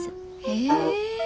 へえ。